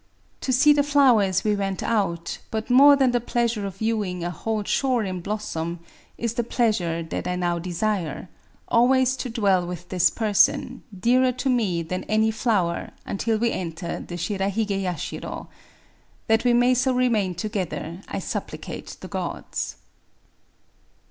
[ To see the flowers we went out ; but] more than the pleasure of viewing a whole shore in blossom is the pleasure that I now desire^ — always to dwell with this person^ dtarer to me than any flower^ until we enter the Shirahige Tashiro. That we may so remain together ^ I supplicate the Gods!